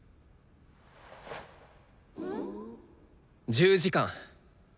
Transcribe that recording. １０時間。